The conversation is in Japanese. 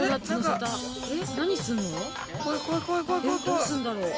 どうするんだろう？